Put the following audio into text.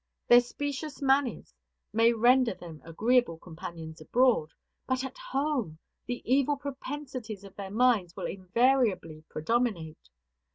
Their specious manners may render them agreeable companions abroad, but at home the evil propensities of their minds will invariably predominate.